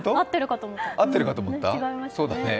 合っているかと思った。